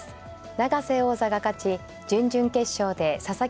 永瀬王座が勝ち準々決勝で佐々木